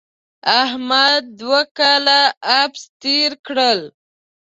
احمد دوه کاله عبث تېر کړل.